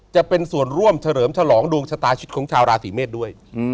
จะเป็นส่วนร่วมเฉลิมฉลองดวงชะตาชีวิตของชาวราศีเมษด้วย